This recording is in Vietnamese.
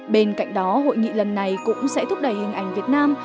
bên cạnh đó hội nghị lần này cũng sẽ thúc đẩy hình ảnh việt nam